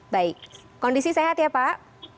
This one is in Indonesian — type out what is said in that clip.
baik kondisi sehat ya pak